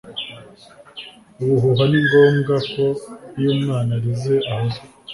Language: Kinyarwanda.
ubuhuha ni ngombwa ko iyo umwana arize ahozwa.